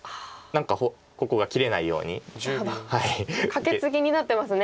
カケツギになってますね。